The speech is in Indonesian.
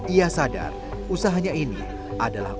ia sadar usahanya ini adalah